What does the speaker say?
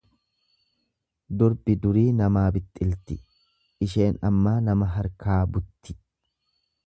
Durbi durii namaa bixxilti, isheen ammaa nama harkaa butti.